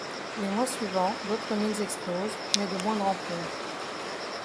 Les mois suivants, d'autres mines explosent mais de moindre ampleur.